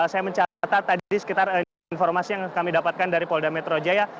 saya mencatat tadi sekitar informasi yang kami dapatkan dari polda metro jaya